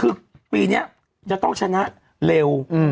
คือปีนี้จะต้องชนะเร็ว